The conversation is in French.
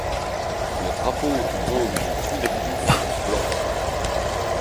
Le drapeau du dôme des Tuileries fut blanc.